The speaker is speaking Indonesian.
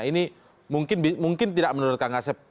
ini mungkin tidak menurut kang asep